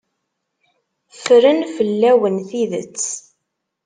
Ffren fell-awen tidet.